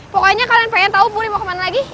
pokoknya kalian pengen tahu puri mau ke mana lagi